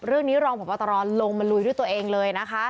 เรื่องนี้ลองผมเอาตัวลงมาลุยด้วยตัวเองเลย